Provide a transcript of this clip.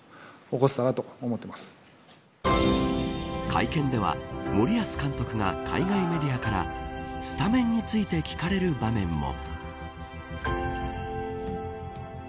会見では森保監督が海外メディアからスタメンについて聞かれる場面も。